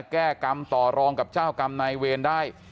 แก้กรรมต่อรองกับเจ้ากรรมนายเวรได้